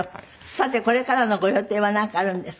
さてこれからのご予定はなんかあるんですか？